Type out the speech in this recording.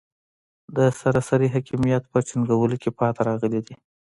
د سراسري حاکمیت په ټینګولو کې پاتې راغلي دي.